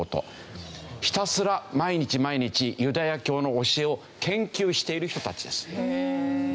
ひたすら毎日毎日ユダヤ教の教えを研究している人たちです。